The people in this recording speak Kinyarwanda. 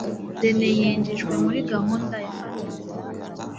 rene yinjijwe muri gahunda ya famiye